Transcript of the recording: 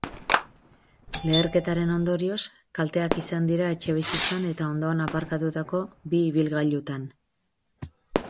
Leherketaren ondorioz, kalteak izan dira etxebizitzan eta ondoan aparkatutako bi ibilgailutan.